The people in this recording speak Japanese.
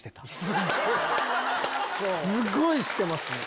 すごいしてますね。